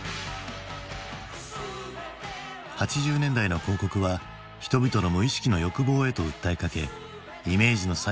８０年代の広告は人々の無意識の欲望へと訴えかけイメージの差